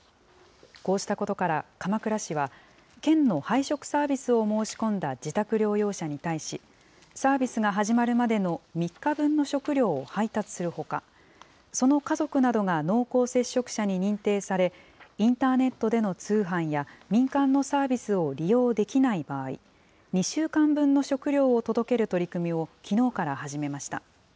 こうしたことから、鎌倉市は、県の配食サービスを申し込んだ自宅療養者に対し、サービスが始まるまでの３日分の食料を配達するほか、その家族などが濃厚接触者に認定され、インターネットでの通販や、民間のサービスを利用できない場合、２週間分の食料を届ける取り組みを、きのうから始めました。